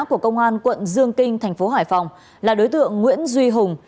của công an quận dương kinh thành phố hải phòng là đối tượng nguyễn duy hùng